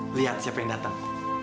lihat siapa yang datang